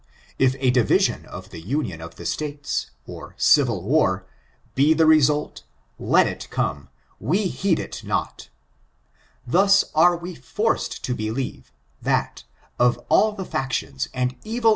If a division of the union of the states, or civil war, be the result, let it come, we heed it not. Thus aro we forced to believe, that, of all the factions and evil I I FORTUNES, OF THE NEGUO RACE.